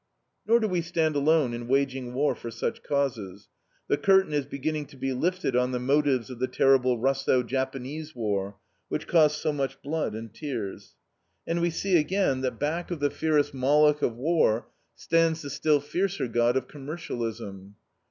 Nor do we stand alone in waging war for such causes. The curtain is beginning to be lifted on the motives of the terrible Russo Japanese war, which cost so much blood and tears. And we see again that back of the fierce Moloch of war stands the still fiercer god of Commercialism.